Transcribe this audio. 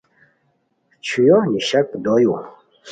چھویو نیشاک دویو